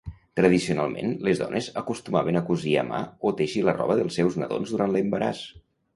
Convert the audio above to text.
Tradicionalment, les dones acostumaven a cosir a mà o teixir la roba dels seus nadons durant l'embaràs.